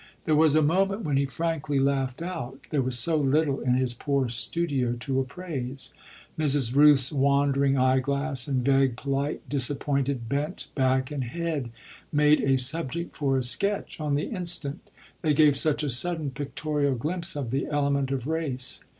There was a moment when he frankly laughed out there was so little in his poor studio to appraise. Mrs. Rooth's wandering eyeglass and vague, polite, disappointed, bent back and head made a subject for a sketch on the instant: they gave such a sudden pictorial glimpse of the element of race.